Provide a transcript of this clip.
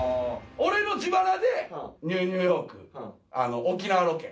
俺の自腹で『ＮＥＷニューヨーク』沖縄ロケ。